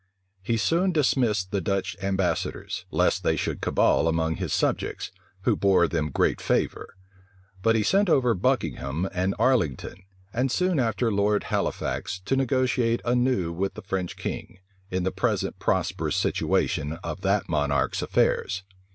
He soon dismissed the Dutch ambassadors, lest they should cabal among his subjects, who bore them great favor: but he sent over Buckingham and Arlington, and soon after Lord Halifax, to negotiate anew with the French king, in the present prosperous situation of that monarch's affairs.